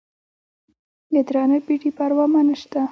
د درانه پېټي پروا مې نسته.